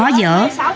nó làm khó dở